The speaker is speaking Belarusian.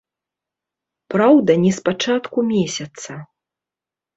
Праўда, не з пачатку месяца.